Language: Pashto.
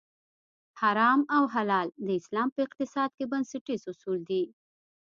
حرام او حلال د اسلام په اقتصاد کې بنسټیز اصول دي.